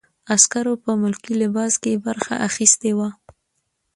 عسکرو په ملکي لباس کې برخه اخیستې وه.